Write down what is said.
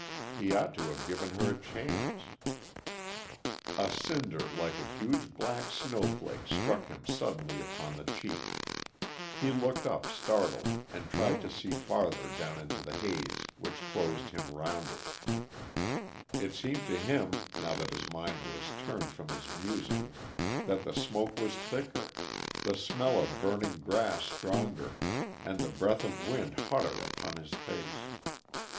He ought to have given her a chance A cinder like a huge black snowflake struck him suddenly upon the cheek. He looked up, startled, and tried to see farther into the haze which closed him round. It seemed to him, now that his mind was turned from his musings, that the smoke was thicker, the smell of burning grass stronger, and the breath of wind hotter upon his face.